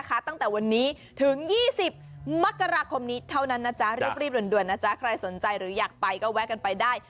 ตั้งแต่วันนี้ถึง๒๐มกราคมนี้เท่านั้นนะจ๊ะรีบด่วนนะจ๊ะใครสนใจหรืออยากไปก็แวะกันไปได้